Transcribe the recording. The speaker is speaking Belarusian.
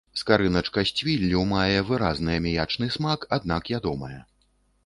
Скарыначка з цвіллю мае выразны аміячны смак, аднак ядомая.